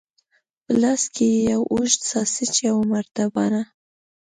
په لاس کې یې یو اوږد ساسیج، یوه مرتبانه.